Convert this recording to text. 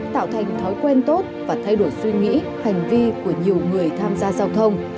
tạo thành thói quen tốt và thay đổi suy nghĩ hành vi của nhiều người tham gia giao thông